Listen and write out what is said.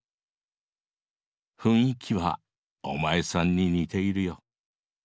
雰囲気はお前さんに似ているヨ。